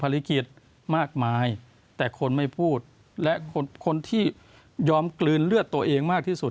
เกียรติมากมายแต่คนไม่พูดและคนที่ยอมกลืนเลือดตัวเองมากที่สุด